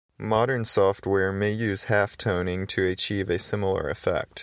Modern software may use halftoning to achieve a similar effect.